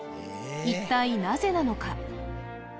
一体なぜなのか？